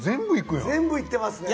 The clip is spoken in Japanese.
全部いってますね。